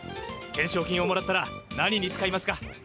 懸賞金をもらったら何に使いますか？